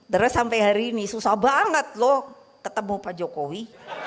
terus sampai hari ini susah banget loh ketemu pak jokowi